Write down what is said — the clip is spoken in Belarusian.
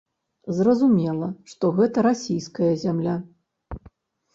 Зразумела, што гэта расійская зямля.